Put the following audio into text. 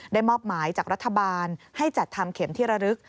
มอบหมายจากรัฐบาลให้จัดทำเข็มที่ระลึก